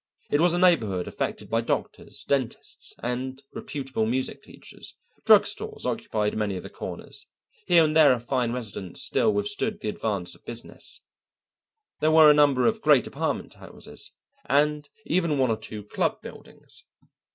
It was a neighbourhood affected by doctors, dentists, and reputable music teachers; drug stores occupied many of the corners, here and there a fine residence still withstood the advance of business, there were a number of great apartment houses, and even one or two club buildings.